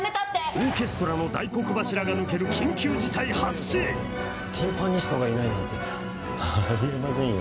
オーケストラの大黒柱が抜けるティンパニストがいないなんてあり得ませんよね。